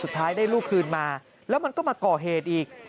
สุดท้ายได้ลูกคืนมาแล้วมันก็มาก่อเหตุอีก